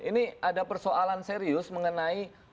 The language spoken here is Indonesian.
ini ada persoalan serius mengenai